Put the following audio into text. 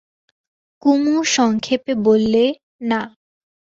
কুমু সংক্ষেপে বললে, না।